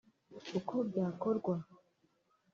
uko byakorwa